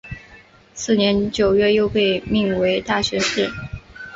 次年九月又被命为大学士。